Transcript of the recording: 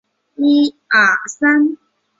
徽章的最外层是一圈金色。